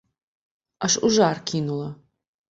Аж у жар кінула.